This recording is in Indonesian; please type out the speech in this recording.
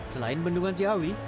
selain bendungan ciawi